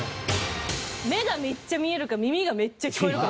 目がめっちゃ見えるか耳がめっちゃ聞こえるか。